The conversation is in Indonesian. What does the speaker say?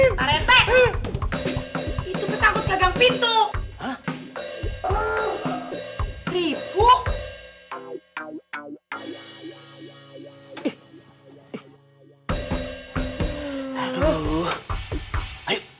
maretek itu pesawat gagang pintu